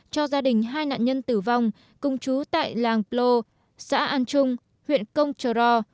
cho gia đình hai nạn nhân tử vong công chú tại làng plo xã an trung huyện công trờ ro